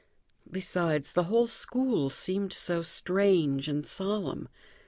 Besides, the whole school seemed so strange and solemn.